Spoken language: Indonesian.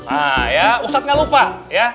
ah ya ustadz gak lupa ya